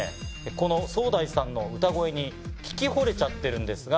このソウダイさんの歌声に聞きほれちゃってるんですが。